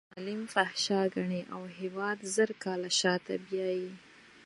د نجونو تعلیم فحشا ګڼي او هېواد زر کاله شاته بیایي.